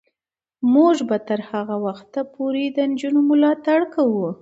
موږ به تر هغه وخته پورې د نجونو ملاتړ کوو.